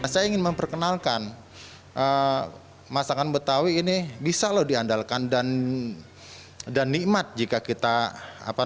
saya ingin memperkenalkan masakan betawi ini bisa lho diandalkan dan nikmat jika kita merasakan masakan tersebut